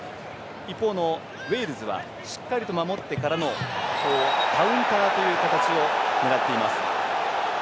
一方のウェールズはしっかりと守ってからのカウンターという形を狙っています。